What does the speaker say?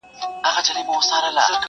o اصيل ته اشارت، کم اصل ته لغت!